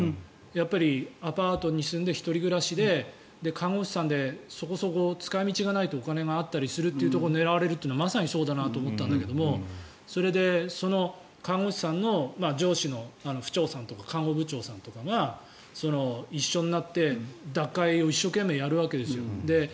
やっぱりアパートに住んで１人暮らしで看護師さんでそこそこ使い道がないとお金があったりするところを狙われるというのはまさにそうだと思ったんだけど看護師の上司の婦長さんとか看護部長さんとかが一緒になって脱会を一生懸命やるわけですよ。